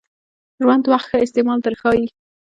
ژوند د وخت ښه استعمال در ښایي .